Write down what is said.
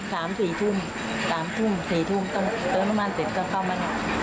สามสี่ทุ่มสามทุ่มสี่ทุ่มเติมน้ำมันเสร็จก็เข้ามาเนี่ย